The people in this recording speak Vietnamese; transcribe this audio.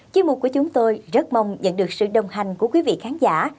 chuyên mục của chúng tôi rất mong nhận được sự đồng hành của quý vị khán giả